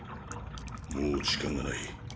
もう時間がない。